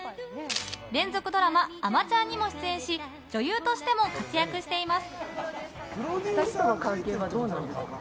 連続ドラマ「あまちゃん」にも出演し女優としても活躍しています。